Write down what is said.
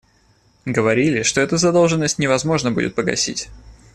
Говорили, что эту задолженность невозможно будет погасить.